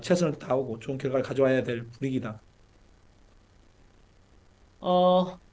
memang sebelum melawan guinea skuad kita jujur kurang baik